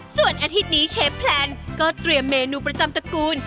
ส่วนอาทิตย์นี้เชฟแพลนก็เตรียมเมนูประจำตระกูล